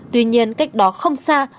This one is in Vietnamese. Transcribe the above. tuy nhiên cách đó không xa